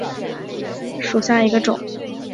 异叶虎耳草为虎耳草科虎耳草属下的一个种。